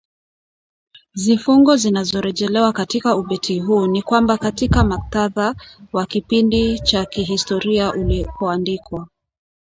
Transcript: zifungo zinazorejelewa katika ubeti huu ni kwamba katika muktadha wa kipindi cha kihistoria ulipoandikwa